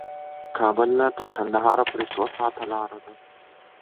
کابل نه قندهار پورې څو ساعته لار ده؟